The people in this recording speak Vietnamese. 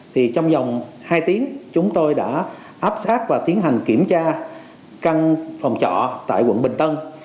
thì trong dòng hai tiếng chúng tôi đã áp sát và tiến hành kiểm tra căn phòng trọ tại quận bình tân